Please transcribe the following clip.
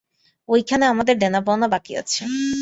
ঐখানে আমাদের দেনাপাওনা বাকি আছে।